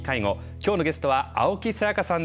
今日のゲストは青木さやかさんです。